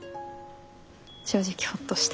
正直ホッとした。